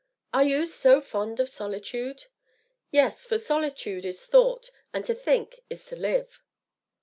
"Are you so fond of solitude?" "Yes, for solitude is thought, and to think is to live."